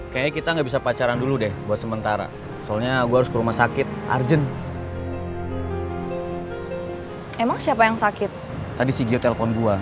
kaya kita gabisa pacaran dulu deh buat sementara saya harus ke rumah sakit eda descal